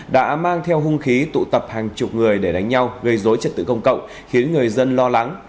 đã mang theo hung khí tụ tập hàng chục người để đánh nhau gây dối trật tự công cộng khiến người dân lo lắng